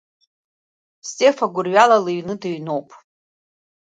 Стефа гәырҩала лыҩны дыҩноуп.